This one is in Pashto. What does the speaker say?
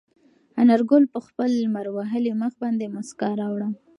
انارګل په خپل لمر وهلي مخ باندې موسکا راوړه.